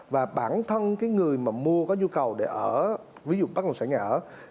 và bản thân cái người mà mua có nhu cầu để ở ví dụ bất động sản nhà ở